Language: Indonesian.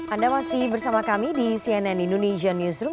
anda masih bersama kami di cnn indonesian newsroom